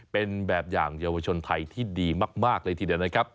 เป็นแบบอย่างเยาวชนไทยที่ดีมากเลยทีเดียวนะครับ